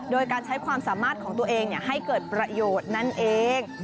โดยการใช้ความสามารถของตัวเองให้เกิดประโยชน์นั่นเอง